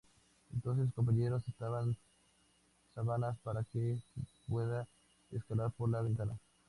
Entonces sus compañeros ataban sábanas para que pudiera escalar por la ventana.